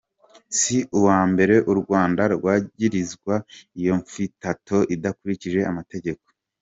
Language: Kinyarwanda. Si ubwa mbere Urwanda rwagirizwa iyo nyifato idakurikije amategeko.